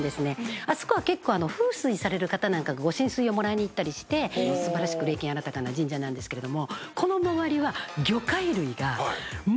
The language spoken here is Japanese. あそこは結構風水される方なんかがご神水をもらいに行ったりして素晴らしく霊験あらたかな神社なんですけれどもこの周りは魚介類がもう。